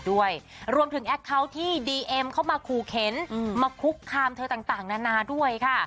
ด้วยรวมถึงที่เข้ามาคูเข็นอืมมาคุกคามเธอต่างต่างนานาด้วยค่ะ